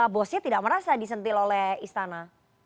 bosnya tidak merasa disentil oleh istana